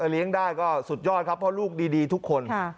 เลี้ยงได้ก็สุดยอดครับเพราะลูกดีทุกคน